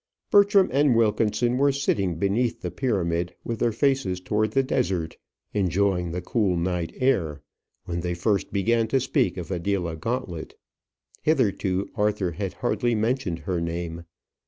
Bertram and Wilkinson were sitting beneath the pyramid, with their faces toward the desert, enjoying the cool night air, when they first began to speak of Adela Gauntlet. Hitherto Arthur had hardly mentioned her name.